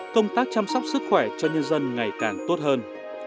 công tác chăm sóc sức khỏe cho nhân dân ngày càng tốt hơn